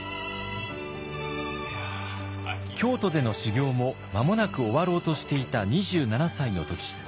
京都での修行も間もなく終わろうとしていた２７歳の時。